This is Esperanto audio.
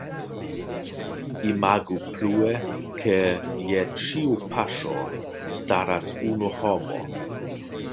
Imagu plue, ke je ĉiu paŝo staras unu homo.